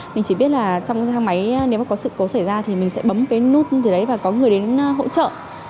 mình chỉ biết là trong cái thang máy nếu có sự cố xảy ra thì mình sẽ bấm cái nút như thế đấy và có người đến hỗ trợ